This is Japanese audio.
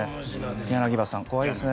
柳葉さん、怖いですね。